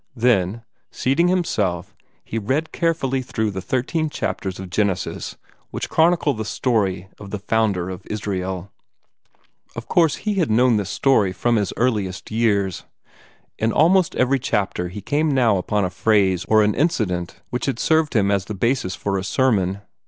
Then, seating himself, he read carefully through the thirteen chapters of Genesis which chronicle the story of the founder of Israel. Of course he had known this story from his earliest years. In almost every chapter he came now upon a phrase or an incident which had served him as the basis for a sermon.